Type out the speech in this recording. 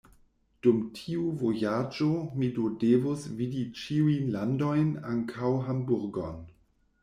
Dum tiu vojaĝo mi do devus vidi ĉiujn landojn, ankaŭ Hamburgon.